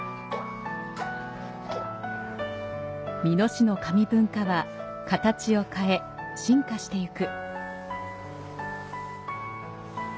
美濃市の紙文化は形を変え進化していく。